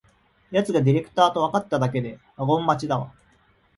やつがディレクターとわかっただけでワゴン待ちだわ